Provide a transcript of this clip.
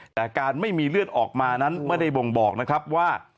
แต่การไม่มีเลือดออกมานั้นไม่ได้บ่งบอกนะครับว่า